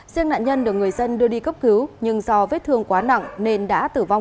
riêng nạn nhân được người dân đưa đi cấp cứu nhưng do vết thương quá nặng nên đã tử vong